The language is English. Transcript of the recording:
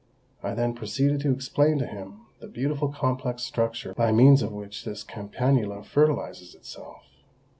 I then proceeded to explain to him the beautiful complex structure by means of which this campanula fertilises itself.